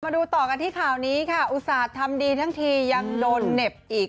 ดูต่อกันที่ข่าวนี้ค่ะอุตส่าห์ทำดีทั้งทียังโดนเหน็บอีก